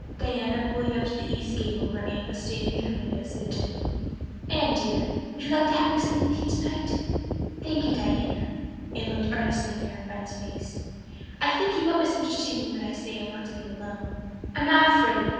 Diana, going to the east gable, where Anne was standing at her window, said gently: "Anne dear, would you like to have me sleep with you tonight?" "Thank you, Diana." Anne looked earnestly into her friend's face. "I think you won't misunderstand me when I say I want to be alone. I'm not afraid.